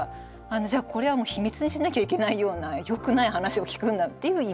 じゃこれはもう秘密にしなきゃいけないような良くない話を聞くんだっていうイメージ。